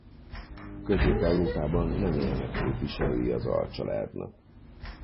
Közép-Európában nem élnek képviselői az alcsaládnak.